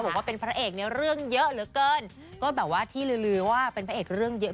บอกว่าเป็นพระเอกในเรื่องเยอะเหลือเกินก็แบบว่าที่ลือลือว่าเป็นพระเอกเรื่องเยอะ